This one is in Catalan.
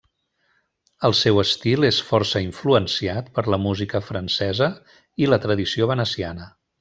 El seu estil és força influenciat per la música francesa i la tradició veneciana.